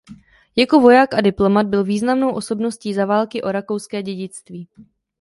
Jako voják a diplomat byl významnou osobností za války o rakouské dědictví.